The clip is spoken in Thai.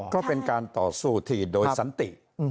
ก็เป็นการต่อสู้ที่โดยสันติ